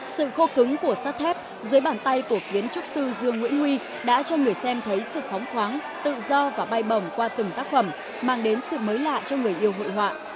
sự khô cứng của sắt thép dưới bàn tay của kiến trúc sư dương nguyễn huy đã cho người xem thấy sự phóng khoáng tự do và bay bồng qua từng tác phẩm mang đến sự mới lạ cho người yêu hội họa